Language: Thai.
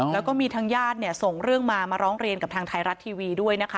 แล้วก็มีทางญาติส่งเรื่องมามาร้องเรียนกับทางไทยรัฐทีวีด้วยนะคะ